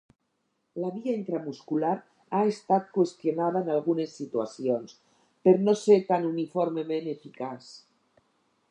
La via intramuscular ha estat qüestionada en algunes situacions per no ser tan uniformement eficaç.